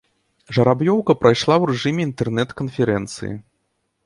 Жараб'ёўка прайшла ў рэжыме інтэрнэт-канферэнцыі.